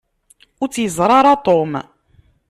Ur tt-yeẓṛi ara Tom.